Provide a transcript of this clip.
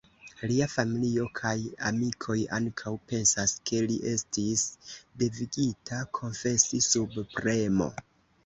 Lia familio kaj amikoj ankaŭ pensas, ke li estis devigita konfesi sub premo.